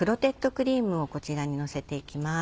クリームをこちらにのせていきます。